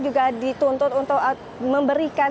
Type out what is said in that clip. juga dituntut untuk memberikan